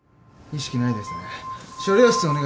意識ないですね。